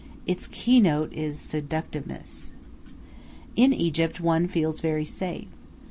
Its keynote is seductiveness. In Egypt one feels very safe.